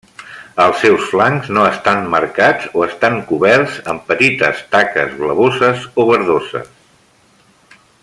Els seus flancs no estan marcats o estan coberts amb petites taques blavoses o verdoses.